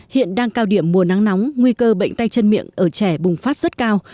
hiện đang cao điểm mùa nắng nóng nguy cơ bệnh tay chân miệng ở trẻ bùng phát rất cao